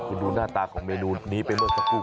คุณดูหน้าตาของเมนูนี้ไปเมื่อสักครู่